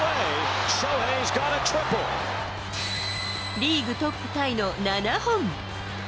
リーグトップタイの７本。